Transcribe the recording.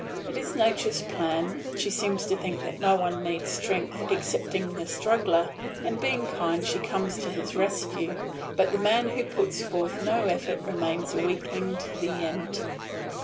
It is Nature's plan she seems to think that no one needs strength excepting the struggler, and being kind she comes to his rescue; but the man who puts forth no effort remains a weakling to the end.